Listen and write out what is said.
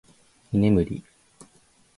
居眠り